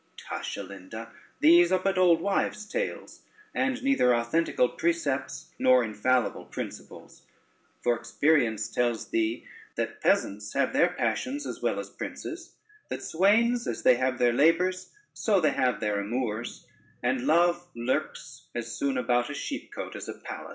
Tush, Alinda, these are but old wives' tales, and neither authentical precepts, nor infallible principles; for experience tells thee, that peasants have their passions as well as princes, that swains as they have their labors, so they have their amours, and Love lurks as soon about a sheepcote as a palace.